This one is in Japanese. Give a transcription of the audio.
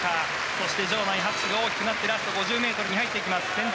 そして、場内は拍手が大きくなって、ラスト５０ｍへ入っていきます。